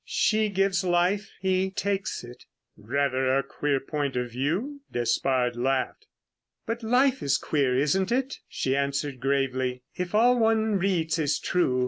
She gives life, he takes it." "Rather a queer point of view," Despard laughed. "But life is queer, isn't it?" she answered gravely. "If all one reads is true.